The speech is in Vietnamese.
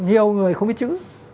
nhiều người không biết chữ